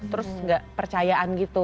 terus gak percayaan gitu